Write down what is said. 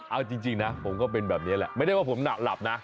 เอาจริงนะผมก็เป็นแบบนี้แหละไม่ได้ว่าผมหลับนะ